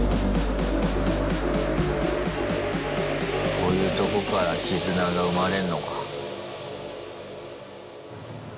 こういうとこから絆が生まれんのか。